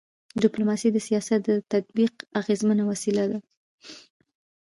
ډيپلوماسي د سیاست د تطبیق اغيزمنه وسیله ده.